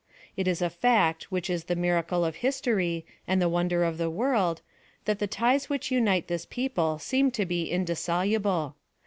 It is a fact which is the miracle of history, and the wonder of the world, that the ties which unite this people seem to be indissoluble.